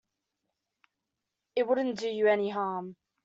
It won't do you any harm.